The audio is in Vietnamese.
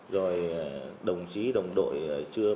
rồi đồng chí đồng đội chưa bảo